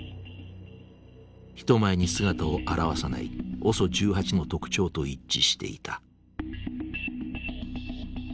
人前に姿を現さないＯＳＯ１８の特徴と一致していた。